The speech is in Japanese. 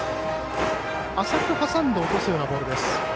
浅く挟んで落とすようなボールです。